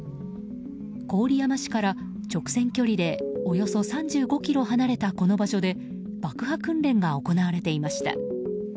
郡山市から直線距離でおよそ３５ｋｍ離れたこの場所で爆破訓練が行われていました。